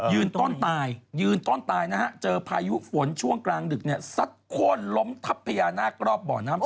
ต้นตายยืนต้นตายนะฮะเจอพายุฝนช่วงกลางดึกเนี่ยซัดโค้นล้มทับพญานาครอบบ่อน้ำ